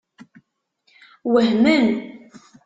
Wehmen.